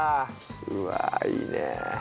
うわあいいねえ。